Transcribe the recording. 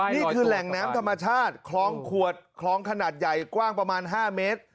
นี่คือแหล่งน้ำธรรมชาติคลองขวดคลองขนาดใหญ่กว้างประมาณ๕เมตร